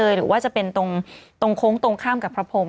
หรือว่าจะเป็นตรงโค้งตรงข้ามกับพระพรม